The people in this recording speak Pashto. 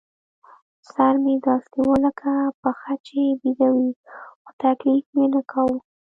سر مې داسې و لکه پښه چې بېده وي، خو تکلیف یې نه کاوه.